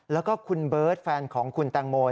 แล้วก็คุณเบิร์ตแฟนของคุณแตงโม